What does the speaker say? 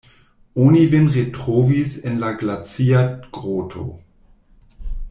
Oni vin retrovis en la glacia groto.